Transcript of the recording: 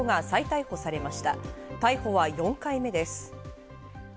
逮捕は４回目です。